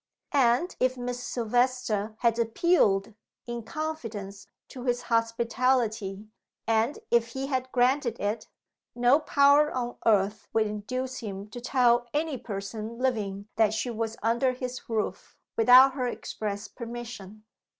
And if Miss Silvester had appealed, in confidence, to his hospitality, and if he had granted it, no power on earth would induce him to tell any person living that she was under his roof without her express permission."